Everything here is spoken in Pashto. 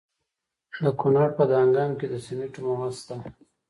د کونړ په دانګام کې د سمنټو مواد شته.